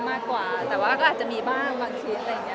มากกว่าแต่ว่าก็อาจจะมีบ้างบางชุดอะไรอย่างนี้